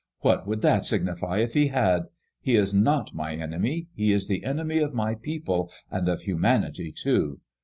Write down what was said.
" What would that signify if he had ? He is not my enemy ; he is the enemy of my people, and of humanity, too.